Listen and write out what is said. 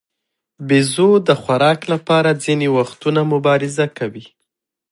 بیزو د خوراک لپاره ځینې وختونه مبارزه کوي.